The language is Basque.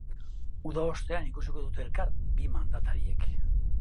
Uda ostean ikusiko dute elkar bi mandatariek.